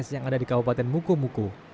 yang ada di kabupaten mukomuko